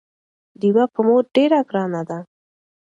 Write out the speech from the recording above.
ډيوه په مور ډېره ګرانه ده